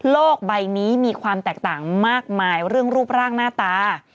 ใบนี้มีความแตกต่างมากมายเรื่องรูปร่างหน้าตา